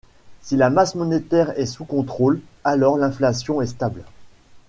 Si la masse monétaire est sous contrôle, alors l'inflation est stable.